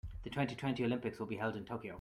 The twenty-twenty Olympics will be held in Tokyo.